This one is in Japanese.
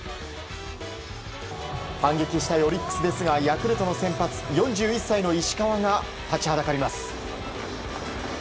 反撃したいオリックスですがヤクルトの先発４１歳の石川が立ちはだかります。